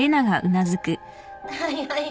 はいはい。